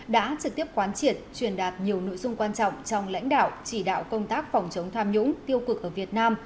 đã trực tiếp quán triệt truyền đạt nhiều nội dung quan trọng trong lãnh đạo chỉ đạo công tác phòng chống tham nhũng tiêu cực ở việt nam